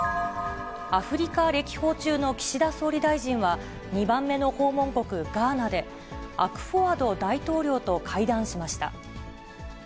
アフリカ歴訪中の岸田総理大臣は、２番目の訪問国、ガーナで、アクフォアド大統領と会談しました。